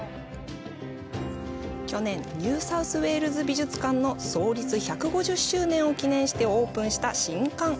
去年、ニュー・サウス・ウェールズ美術館の創立１５０周年を記念してオープンした新館。